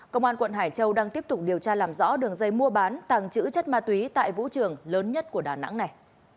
công an quận hải châu đang tiếp tục điều tra làm rõ đường dây mua bán tàng trữ chất ma túy tại vũ trường lớn nhất của đà nẵng này